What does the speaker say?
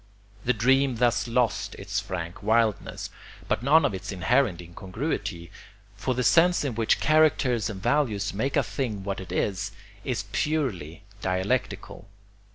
The dream thus lost its frank wildness, but none of its inherent incongruity: for the sense in which characters and values make a thing what it is, is purely dialectical.